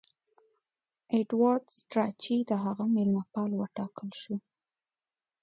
ایډوارډ سټراچي د هغه مېلمه پال وټاکل سو.